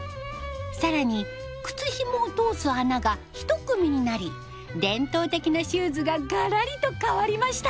更に靴ひもを通す穴がひと組になり伝統的なシューズががらりと変わりました。